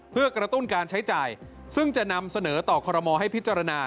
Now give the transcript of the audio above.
เพื่อกระตุ้นการใช้จ่ายซึ่งจะนำเสนอต่อคอรมอลให้พิจารณา